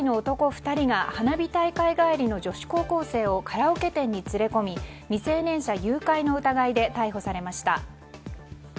２人が花火大会帰りの女子高校生をカラオケ店に連れ込み未成年者誘拐の疑いで逮捕されました。